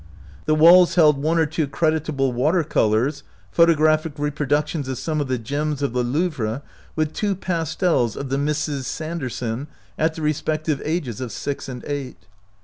The walls held one or two credi table water colors, photographic reproduc tions of some of the gems of the Louvre, with two pastels of the Misses Sanderson at the respective ages of six and eight.